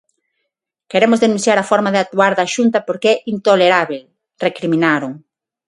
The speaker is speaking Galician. "Queremos denunciar a forma de actuar da Xunta porque é intolerábel", recriminaron.